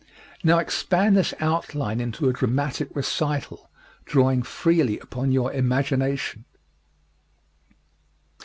Now expand this outline into a dramatic recital, drawing freely upon your imagination.